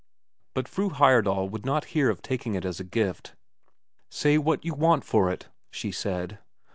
But Fru Heyerdahl would not hear of taking it as a gift. "Say what you want for it," she said.